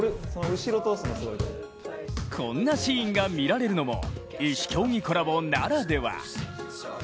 こんなシーンが見られるのも異種競技コラボならでは。